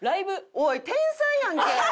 おい天才やんけ！